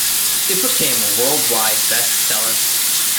It became a world-wide best seller.